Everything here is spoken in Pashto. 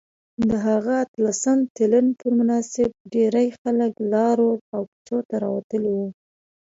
د هغه اتلسم تلین په مناسبت ډیرۍ خلک لارو او کوڅو ته راوتلي ول